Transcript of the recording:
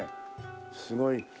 すごい。